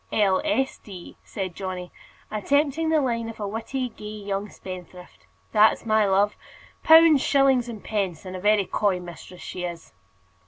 "L. S. D.," said Johnny, attempting the line of a witty, gay young spendthrift. "That's my love pounds, shillings, and pence; and a very coy mistress she is."